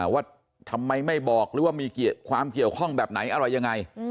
ว่าทำไมไม่บอกหรือว่ามีความเกี่ยวข้องแบบไหนอะไรยังไง